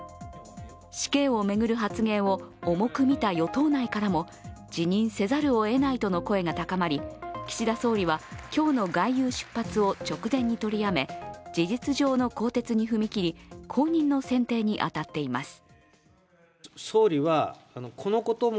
死刑を巡る発言を重く見た与党内からも、辞任せざるをえないとの声が高まり、岸田総理は今日の外遊出発を直前に取りやめ事実上の更迭に踏み切り後任の選定に当たっています。